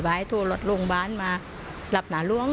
บ่ายโทรวงบานมาหลับหน้าล้อง